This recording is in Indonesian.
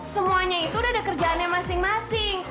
semuanya itu udah ada kerjaannya masing masing